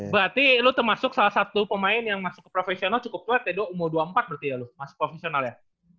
berarti lu termasuk salah satu pemain yang masuk ke profesional cukup kuat ya dua umur dua puluh empat berarti ya lo masih profesional ya